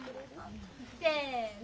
せの！